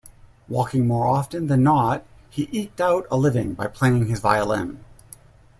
Walking more often than not, he eked out a living by playing his violin.